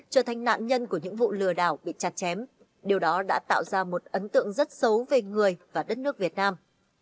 trở thành nạn nhân của những vụ lừa đảo bị chặt chém điều đó đã tạo ra một ấn tượng rất xấu về người và đất nước việt nam